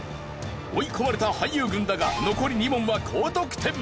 追い込まれた俳優軍だが残り２問は高得点！